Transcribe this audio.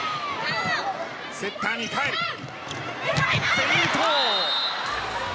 フェイント。